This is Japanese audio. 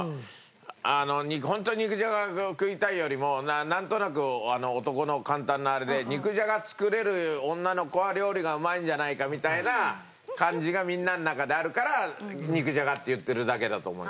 ホント肉じゃがを食いたいよりもなんとなく男の簡単なあれで肉じゃが作れる女の子は料理がうまいんじゃないかみたいな感じがみんなの中であるから肉じゃがって言ってるだけだと思います。